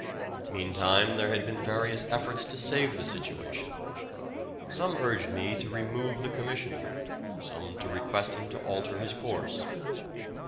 Meantime there had been various efforts to save the situation. Some urged me to remove the Commissioner, some to request him to alter his course.